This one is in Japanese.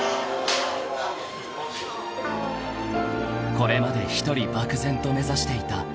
［これまで１人漠然と目指していた世界一］